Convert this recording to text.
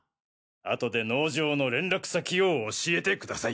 後で農場の連絡先を教えてください。